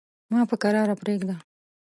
ما په کراره پرېږده.